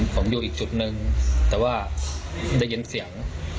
ผมอยู่อีกจุดนึงแต่ว่าได้ยินเสียง